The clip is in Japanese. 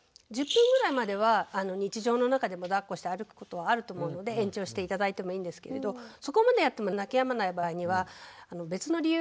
１０分ぐらいまでは日常の中でもだっこして歩くことはあると思うので延長して頂いてもいいんですけれどそこまでやっても泣きやまない場合には別の理由があることもありえます。